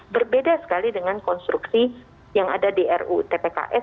berbeda sekali dengan konstruksi yang ada di rutpks